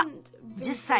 １０歳。